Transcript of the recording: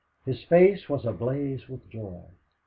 His face was ablaze with joy.